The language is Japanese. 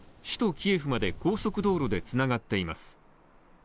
首都キエフまで高速道路でつながっています。